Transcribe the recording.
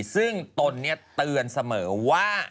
ซึ่งตนเตือนเสมอว่า